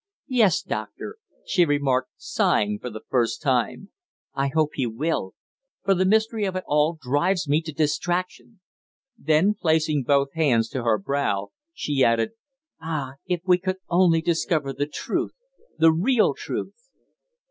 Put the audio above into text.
"Yes, Doctor," she remarked, sighing for the first time. "I hope he will for the mystery of it all drives me to distraction." Then placing both hands to her brow, she added, "Ah! if we could only discover the truth the real truth!"